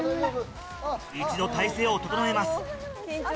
一度体勢を整えます。